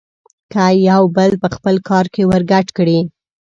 که يو بل په خپل کار کې ورګډ کړي.